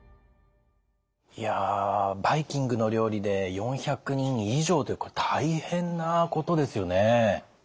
いやバイキングの料理で４００人以上というこれ大変なことですよね。